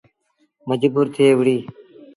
مجبور ٿئي وُهڙيٚ۔